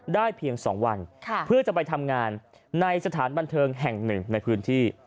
เพียง๒วันเพื่อจะไปทำงานในสถานบันเทิงแห่งหนึ่งในพื้นที่